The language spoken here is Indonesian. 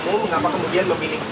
kenapa kemudian memilih